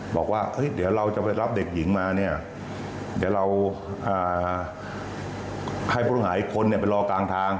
บอกว่าเดี๋ยวเราจะไปรับเด็กหญิงมาเนี่ยเดี๋ยวเราให้ผู้ต้องหาอีกคนเนี่ยไปรอกลางทาง